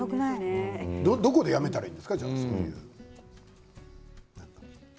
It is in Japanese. どこでやめたらいいですか。